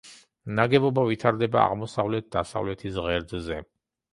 ნაგებობა ვითარდება აღმოსავლეთ-დასავლეთის ღერძზე.